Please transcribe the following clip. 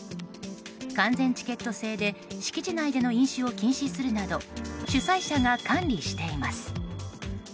完全チケット制で敷地内での飲酒を禁止するなど主催者が管理しています。